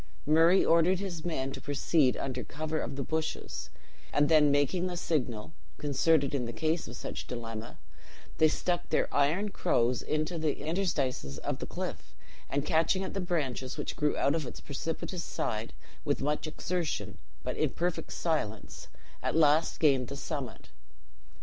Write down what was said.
Murray ordered his men to proceed under covert of the bushes; and then making the signal (concerted in case of such dilemma), they stuck their iron crows into the interstices of the cliff, and catching at the branches which grew out of its precipitous side, with much exertion, but in perfect silence, at last gained the summit.